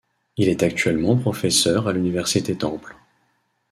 Il est actuellement professeur à l'université Temple.